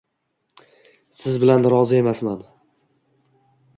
Siz bilan rozi emasman.